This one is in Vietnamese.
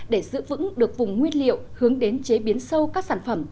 để giữ vững được vùng nguyên liệu hướng đến chế biến sâu các sản phẩm